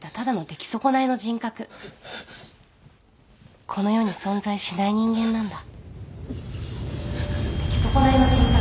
出来損ないの人格この世に存在しない人間なんだ